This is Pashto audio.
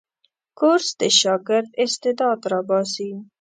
کورس د شاګرد استعداد راباسي.